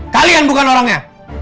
kalian bukan orangnya